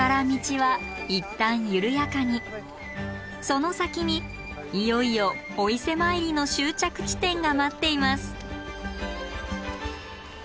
その先にいよいよお伊勢参りの終着地点が待っています。